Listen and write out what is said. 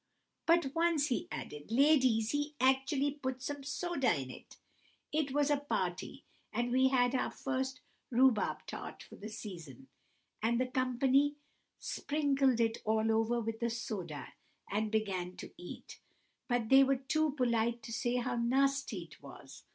"But once," he added, "ladies, he actually put some soda in. It was at a party, and we had our first rhubarb tart for the season, and the company sprinkled it all over with the soda and began to eat, but they were too polite to say how nasty it was.